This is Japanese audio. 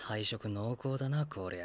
濃厚だなこりゃ。